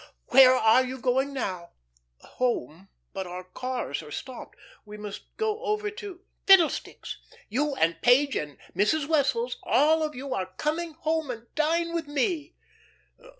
"Where are you going now?" "Home; but our cars are stopped. We must go over to " "Fiddlesticks! You and Page and Mrs. Wessels all of you are coming home and dine with me."